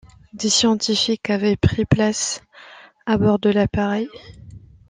Des scientifiques avaient pris place à bord de l'appareil.